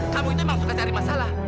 kamu ini emang suka cari masalah